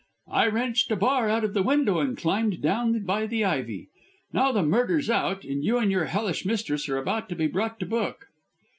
"I wrenched a bar out of the window and climbed down by the ivy. Now the murder's out, and you and your hellish mistress are about to be brought to book."